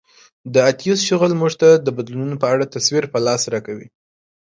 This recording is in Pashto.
د اتیوس شغل موږ ته د بدلونونو په اړه تصویر په لاس راکوي